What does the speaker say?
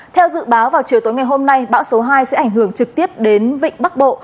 theo dự báo vào chiều tối ngày hôm nay bão số hai sẽ ảnh hưởng trực tiếp đến vịnh bắc bộ